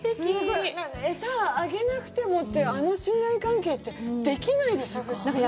餌をあげなくてもっていうあの信頼関係ってできないですからね。